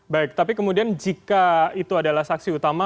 baik tapi kemudian jika itu adalah saksi utama